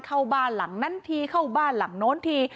เข้าบ้านหลังนั้นทีเข้าบ้านหลังโน้นที